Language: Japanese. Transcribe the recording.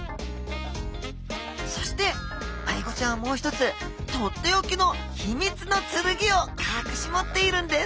そしてアイゴちゃんはもう一つとっておきの秘密の剣をかくし持っているんです！